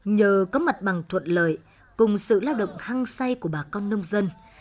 nhờ có mặt bằng thuận lợi cùng sự lao động hăng say của bà con nông dân